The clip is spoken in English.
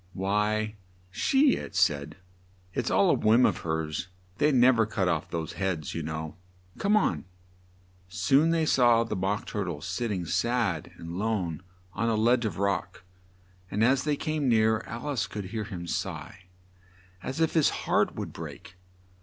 "Why, she," it said. "It's all a whim of hers; they nev er cut off those heads, you know. Come on." Soon they saw the Mock Tur tle sitting sad and lone on a ledge of rock, and as they came near, Al ice could hear him sigh as if his heart would break.